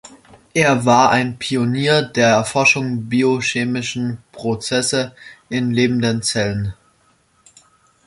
Er war ein Pionier der Erforschung biochemischen Prozesse in lebenden Zellen.